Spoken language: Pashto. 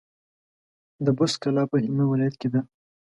د بُست کلا په هلمند ولايت کي ده